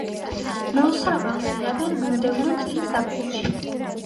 მოსავალს იღებენ მომდევნო წლის ზაფხულში.